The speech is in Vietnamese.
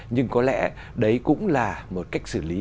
nhưng có lẽ đấy cũng là một cách xử lý